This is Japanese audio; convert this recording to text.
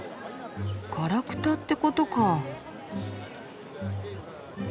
ガラクタってことか。